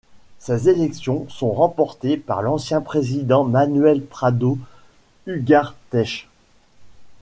Ces élections sont remportées par l’ancien président Manuel Prado Ugarteche.